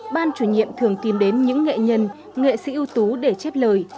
ban chủ nhiệm thường tìm đến những nghệ nhân nghệ sĩ ưu tú để chép lời